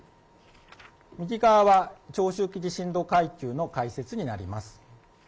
右側は長周期地震動階級の解説になります。